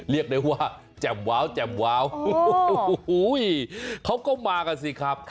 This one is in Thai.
เรียกได้ว่าแจ่มว้าวแจ่มว้าวโอ้โหเขาก็มากันสิครับ